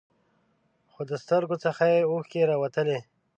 خو د سترګو څخه یې اوښکې راوتلې.